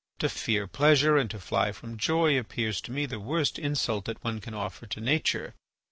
To fear pleasure and to fly from joy appears to me the worst insult that one can offer to nature.